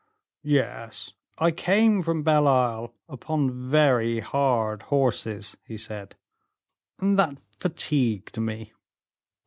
"Yes, I came from Belle Isle upon very hard horses," he said, "and that fatigued me."